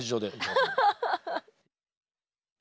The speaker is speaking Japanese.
ハハハハ。